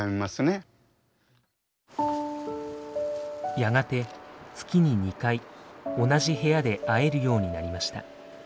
やがて月に２回同じ部屋で会えるようになりました。